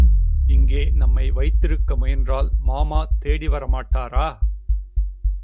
இங்கே நம்மை வைத்திருக்க முயன்றால் மாமா தேடி வர மாட்டாரா?